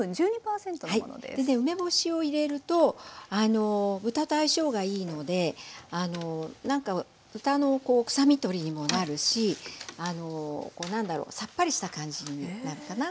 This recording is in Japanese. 梅干しを入れると豚と相性がいいので何か豚の臭み取りにもなるしこう何だろうさっぱりした感じになるかな。